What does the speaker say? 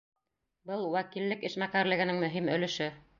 — Был — вәкиллек эшмәкәрлегенең мөһим өлөшө.